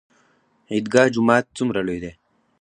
عیدګاه جومات څومره لوی دی؟